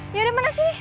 yaudah mana sih